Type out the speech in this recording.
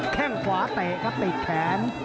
แค่งขวาเตะครับติดแขน